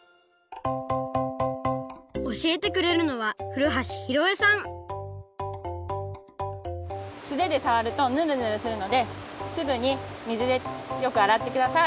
おしえてくれるのはすででさわるとヌルヌルするのですぐに水でよくあらってください。